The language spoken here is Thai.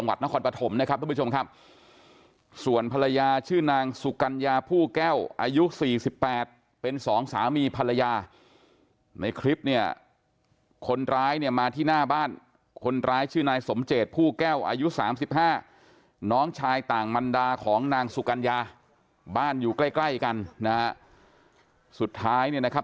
ป๊าหลบป๊าหลบป๊าหลบป๊าหลบป๊าหลบป๊าหลบป๊าหลบป๊าหลบป๊าหลบป๊าหลบป๊าหลบป๊าหลบป๊าหลบป๊าหลบป๊าหลบป๊าหลบป๊าหลบป๊าหลบป๊าหลบป๊าหลบป๊าหลบป๊าหลบป๊าหลบป๊าหลบป๊าหลบป๊าหลบป๊าหลบป๊าหลบป๊าหลบป๊าหลบป๊าหลบป๊าห